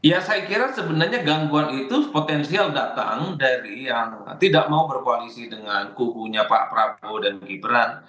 ya saya kira sebenarnya gangguan itu potensial datang dari yang tidak mau berkoalisi dengan kubunya pak prabowo dan gibran